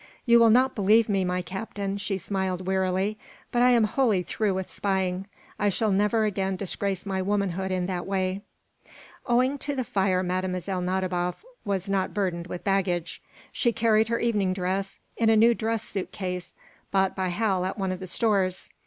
"You will not believe me, my Captain," she smiled, wearily, "but I am wholly through with spying. I shall never again disgrace my womanhood in that way." Owing to the fire Mlle. Nadiboff was not burdened with baggage. She carried her evening dress in a new dress suit case bought by Hal at one of the stores.